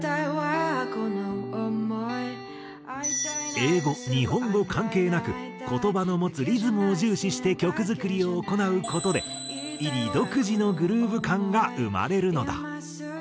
英語日本語関係なく言葉の持つリズムを重視して曲作りを行う事でｉｒｉ独自のグルーヴ感が生まれるのだ。